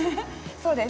そうです